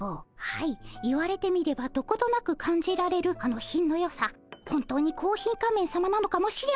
はい言われてみればどことなく感じられるあの品のよさ本当にコーヒー仮面さまなのかもしれません。